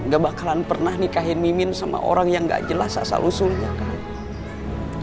gak bakalan pernah nikahin mimin sama orang yang gak jelas asal usulnya kan